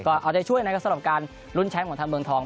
ก็เอาใจช่วยนะครับสำหรับการลุ้นแชมป์ของทางเมืองทอง